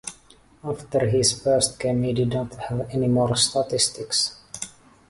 After his first game he did not have any more statistics.